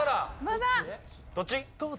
まだ！どっち？